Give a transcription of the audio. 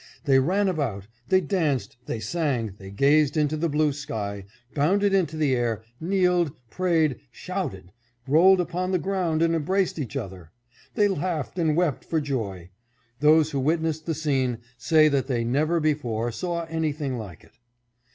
They ran about, they danced, they sang, they gazed into the blue sky, bounded into the air, kneeled, prayed, shouted, rolled upon the ground and embraced each other. They laughed and wept for joy. Those who witnessed the scene say that they never before saw anything like it.